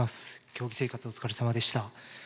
競技生活お疲れさまでした。